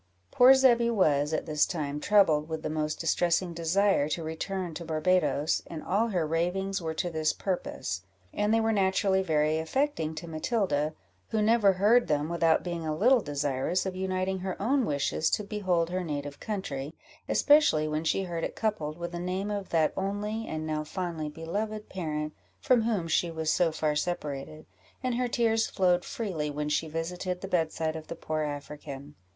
Poor Zebby was, at this time, troubled with the most distressing desire to return to Barbadoes, and all her ravings were to this purpose; and they were naturally very affecting to Matilda, who never heard them without being a little desirous of uniting her own wishes to behold her native country, especially when she heard it coupled with the name of that only, and now fondly beloved parent, from whom she was so far separated, and her tears flowed freely when she visited the bedside of the poor African.